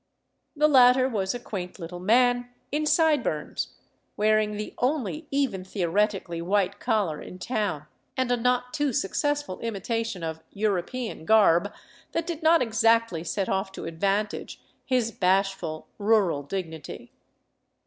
The latter was a quaint little man in side burns, wearing the only even theoretically white collar in town, and a not too successful imitation of " European " garb that did not exactly set off to advantage his bashful rural dignity.